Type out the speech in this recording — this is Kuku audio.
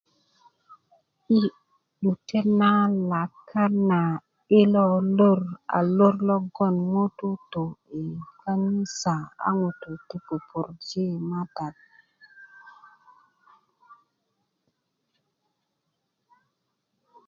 i 'dute na lakat na i lo lor a lor logoŋ ŋutú tu i kanisá a ŋutú pupurji matat